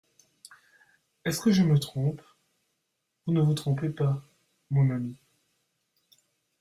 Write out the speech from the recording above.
Est-ce que je me trompe ? Vous ne vous trompez pas, mon ami.